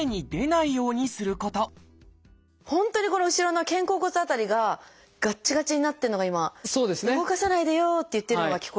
本当にこの後ろの肩甲骨辺りががっちがちになってるのが今「動かさないでよ」って言ってるのが聞こえます。